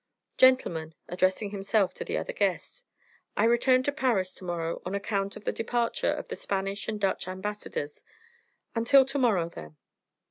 Gentlemen," addressing himself to the other guests, "I return to Paris to morrow on account of the departure of the Spanish and Dutch ambassadors. Until to morrow then."